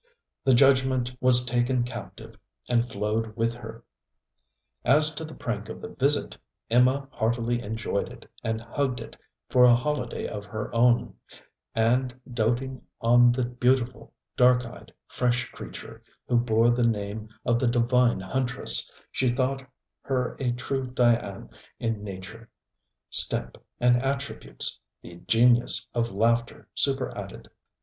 The judgement was taken captive and flowed with her. As to the prank of the visit, Emma heartily enjoyed it and hugged it for a holiday of her own, and doating on the beautiful, darkeyed, fresh creature, who bore the name of the divine Huntress, she thought her a true Dian in stature, step, and attributes, the genius of laughter superadded.